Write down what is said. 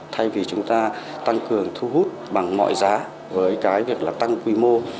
thay vì chúng ta tăng cường thu hút bằng mọi giá với việc tăng quy mô